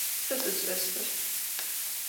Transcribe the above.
Sıd ış'eştır?